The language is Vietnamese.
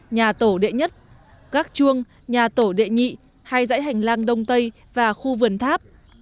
nhà tổ đệ nhất gác chuông nhà tổ địa nhị hai dãy hành lang đông tây và khu vườn tháp